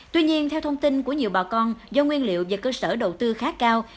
tuy nhiên theo thông tin của nhiều bà con do nguyên liệu và cơ sở đầu tư khá cao